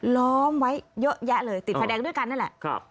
ล้อมไว้เยอะแยะเลยติดไฟแดงด้วยกันนั่นแหละ